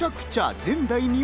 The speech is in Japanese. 前代未聞！